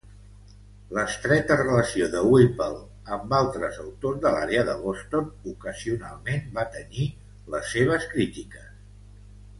L'estreta relació de Whipple amb altres autors de l'àrea de Boston ocasionalment va tenyir les seves crítiques.